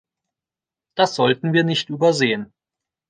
Das sollten wir nicht übersehen.